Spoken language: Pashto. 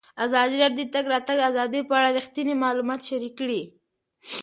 ازادي راډیو د د تګ راتګ ازادي په اړه رښتیني معلومات شریک کړي.